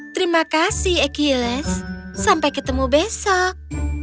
terima kasih aquelens sampai ketemu besok